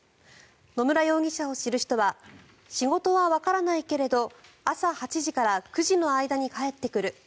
野村容疑者を知る人は仕事はわからないけれど朝８時から９時の間に帰ってくる。